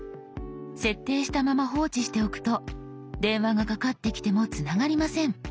設定したまま放置しておくと電話がかかってきてもつながりません。